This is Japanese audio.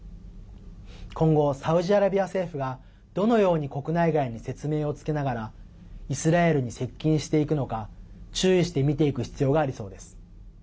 今後、サウジアラビア政府がどのように国内外に説明をつけながらイスラエルに接近していくのか注意して見ていく必要がありそうです。